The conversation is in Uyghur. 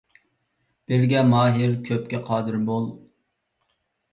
بىرگە ماھىر كۆپكە قادىر بول.